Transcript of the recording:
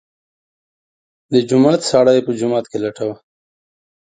د جومات سړی په جومات کې لټوه.